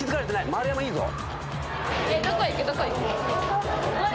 丸山いいぞ。